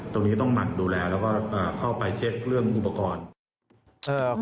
ตรงนี้ต้องหมั่นดูแลแล้วก็เข้าไปเช็คเรื่องอุปกรณ์